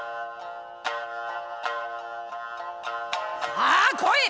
「さあ来い！」。